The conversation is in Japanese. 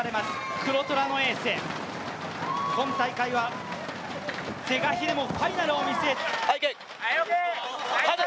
黒虎のエース、今大会は是が非でもファイナルを見据えて。